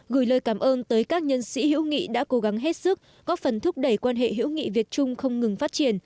gửi lời cảm ơn tới các nhân sĩ hữu nghị đã cố gắng hết sức góp phần thúc đẩy quan hệ hữu nghị việt trung không ngừng phát triển